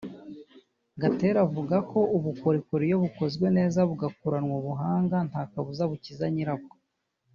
Gatera avuga ko ubukorikori iyo bukozwe neza bugakoranwa ubuhanga nta kabuza bukiza nyirabwo